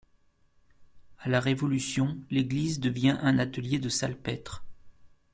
À la Révolution, l'église devient un atelier de salpêtre.